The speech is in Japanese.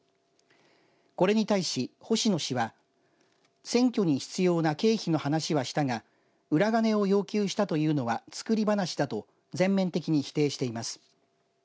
これに対し、星野氏は選挙に必要な経費の話はしたが裏金を要求したというのは作り話だと全面的に否定しています。